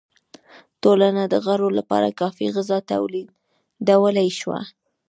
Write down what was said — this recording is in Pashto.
ټولنه د غړو لپاره کافی غذا تولیدولای شوه.